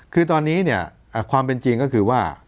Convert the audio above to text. คือตอนนี้เนี่ยความเป็นจริงก็คือว่า